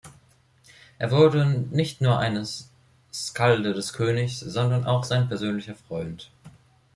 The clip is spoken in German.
Er wurde nicht nur ein Skalde des Königs, sondern auch sein persönlicher Freund.